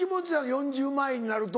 ４０歳前になると。